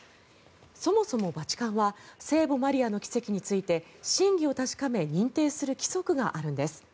そもそもバチカンは聖母マリアの奇跡について真偽を確かめ、認定する規則があるんです。